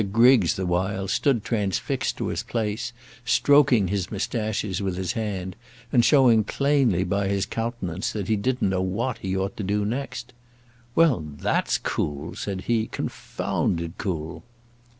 Griggs the while stood transfixed to his place, stroking his mustaches with his hand, and showing plainly by his countenance that he didn't know what he ought to do next. "Well, that's cool," said he; "confounded cool!"